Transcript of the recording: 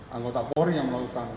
anggota pori yang melakukan